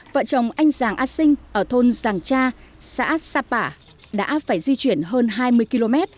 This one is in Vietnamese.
vợ chồng anh giàng a sinh ở thôn giàng cha xã sapa đã phải di chuyển hơn hai mươi km